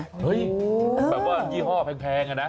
เฮ้ยแบบว่ายี่ห้อแพงอะนะ